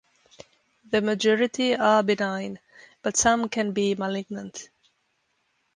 The majority are benign, but some can be malignant.